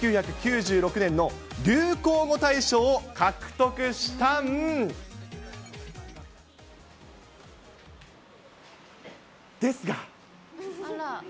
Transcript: １９９６年の流行語大賞を獲得したん、ですが。